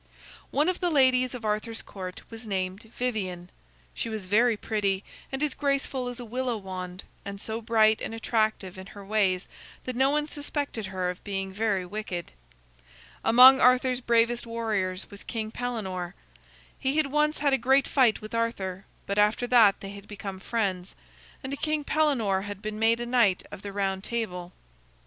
One of the ladies of Arthur's Court was named Vivien. She was very pretty, and as graceful as a willow wand, and so bright and attractive in her ways that no one suspected her of being very wicked. Among Arthur's bravest warriors was King Pellenore. He had once had a great fight with Arthur, but after that they had become friends, and King Pellenore had been made a Knight of the Round Table.